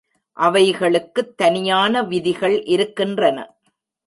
அவைகளுக்குத் தனியான விதிகள் இருக்கின்றன.